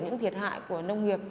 những thiệt hại của nông nghiệp